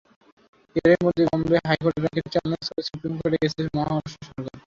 এরই মধ্যে বোম্বে হাইকোর্টের রায়কে চ্যালেঞ্জ করে সুপ্রিম কোর্ট গিয়েছে মহারাষ্ট্র সরকার।